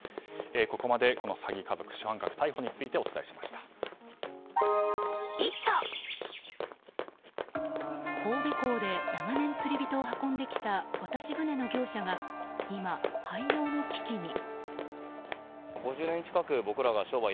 ここまでこの詐欺家族主犯格逮捕について神戸港で長年釣り人を運んできた渡し船の業者が今、廃業の危機に。